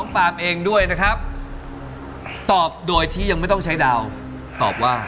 ปามเองด้วยนะครับตอบโดยที่ยังไม่ต้องใช้ดาวตอบว่า